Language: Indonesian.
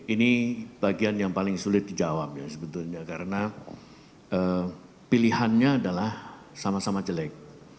ini bagian yang paling sulit dijawab ya sebetulnya karena pilihannya adalah sama sama jelek